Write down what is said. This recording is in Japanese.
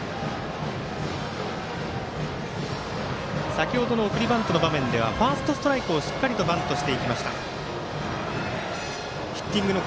先ほどの送りバントの場面ではファーストストライクをしっかりとバントしていきました。